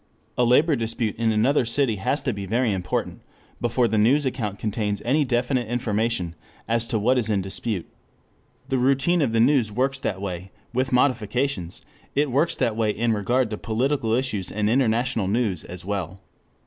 A labor dispute in another city has to be very important before the news account contains any definite information as to what is in dispute. The routine of the news works that way, with modifications it works that way in regard to political issues and international news as well.